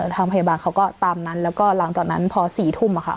ทางพยาบาลเขาก็ตามนั้นแล้วก็หลังจากนั้นพอ๔ทุ่มค่ะ